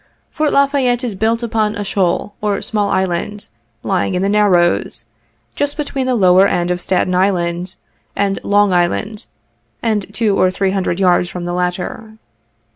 Fort La Fayette is built upon a shoal, or small island, lying in the Narrows, just between the lower end of Staten Island and Long Island, and two or three hundred yards from the latter.